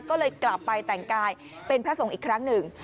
ก็เลยกลับไปแต่งกายเป็นพระสงฆ์อีกครั้งหนึ่ง